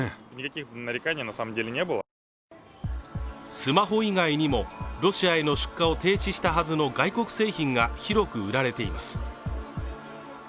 スマホ以外にもロシアへの出荷を停止したはずの外国製品が広く売られています。